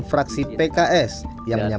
dpr ri puan maharani